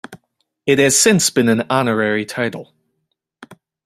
It has since been an honorary title.